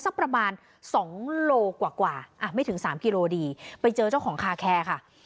สักประมาณสองโลกว่ากว่าอ่ะไม่ถึงสามกิโลดีไปเจอเจ้าของคาแคร์ค่ะ